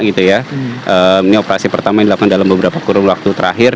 ini operasi pertama yang dilakukan dalam beberapa kurun waktu terakhir